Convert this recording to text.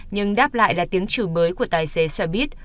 nhưng đáp lại là tiếng chửi mới của tài xế xe buýt